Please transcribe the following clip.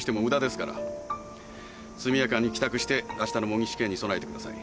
速やかに帰宅してあしたの模擬試験に備えてください。